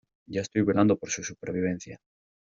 y estoy velando por su supervivencia.